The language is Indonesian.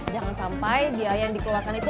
jangan sampai biaya yang dikeluarkan itu